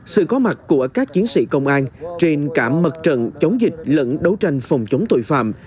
sự có mặt của các chiến sĩ công an trên cả mặt trận chống dịch lẫn đấu tranh phòng chống tội phạm